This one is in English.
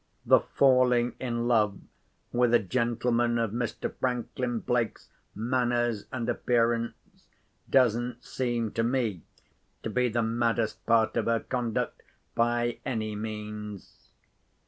"The falling in love with a gentleman of Mr. Franklin Blake's manners and appearance doesn't seem to me to be the maddest part of her conduct by any means.